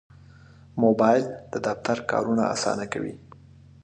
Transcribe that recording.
موبایل د دفتر کارونه اسانه کوي.